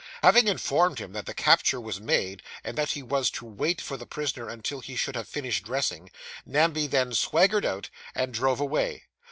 Having informed him that the capture was made, and that he was to wait for the prisoner until he should have finished dressing, Namby then swaggered out, and drove away.